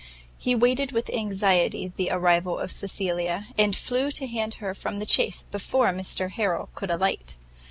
He waited with anxiety the arrival of Cecilia, and flew to hand her from the chaise before Mr Harrel could alight.